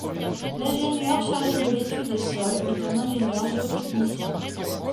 L'ingénieur chargé de l'étude des sols est un ingénieur géotechnicien.